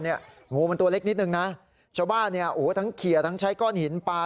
งูมันตัวเล็กนิดนึงนะชาวบ้านทั้งเขียทั้งใช้ก้อนหินปลา